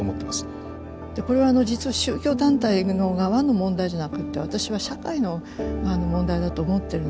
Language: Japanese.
でこれは実は宗教団体の側の問題じゃなくて私は社会の問題だと思ってるんです。